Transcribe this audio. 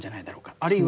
あるいは。